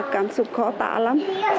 cảm xúc khó tả lắm